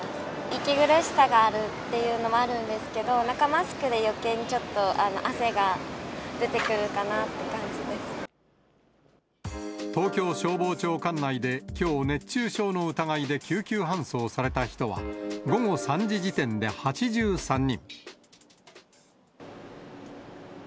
息苦しさがあるっていうのもあるんですけど、マスクでよけいにちょっと、東京消防庁管内で、きょう、熱中症の疑いで救急搬送された人は、午後３時時点で８３人。